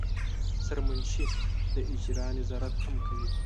سرمنشي د اجرا نظارت هم کوي.